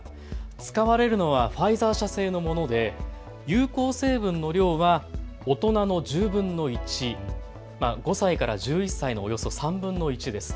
使われるのはファイザー社製のもので有効成分の量は大人の１０分の１、５歳から１１歳のおよそ３分の１です。